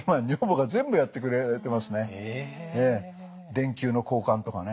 電球の交換とかね。